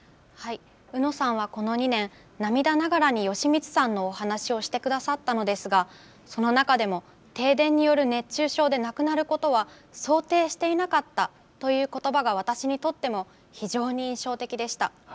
うのさんはこの２年、涙ながらに芳満さんのお話をしてくださったのですがその中でも停電による熱中症で亡くなることは想定していなかったということばが私にとっても非常に印象的でした。